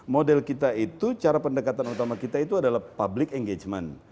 model kita itu cara pendekatan utama kita itu adalah public engagement